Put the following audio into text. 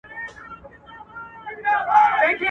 ورځنی نظم ولره